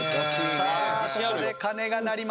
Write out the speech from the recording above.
さあここで鐘が鳴りました。